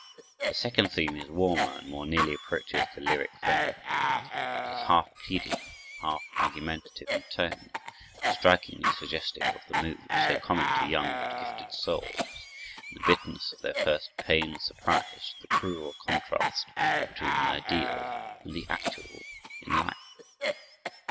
The second theme is warmer and more nearly approaches the lyric vein. It is half pleading, half argumentative in tone, strikingly suggestive of the mood so common to young but gifted souls, in the bitterness of their first pained surprise at the cruel contrast between the ideal and the actual in life.